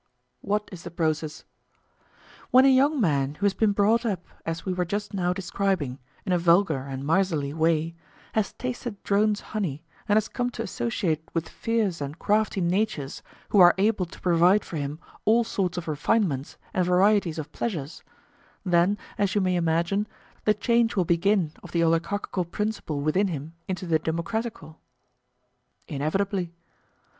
What is the process? When a young man who has been brought up as we were just now describing, in a vulgar and miserly way, has tasted drones' honey and has come to associate with fierce and crafty natures who are able to provide for him all sorts of refinements and varieties of pleasure—then, as you may imagine, the change will begin of the oligarchical principle within him into the democratical? Inevitably.